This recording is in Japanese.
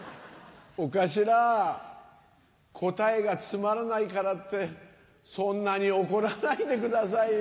お頭答えがつまらないからってそんなに怒らないでくださいよ。